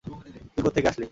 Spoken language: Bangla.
তুই কোত্থেকে আসলি?